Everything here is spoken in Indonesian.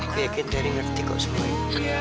dia kayak jadi vertigo samo ini